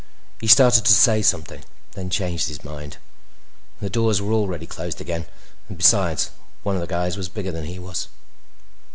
He started to say something, then changed his mind; the doors were already closed again, and besides, one of the guys was bigger than he was.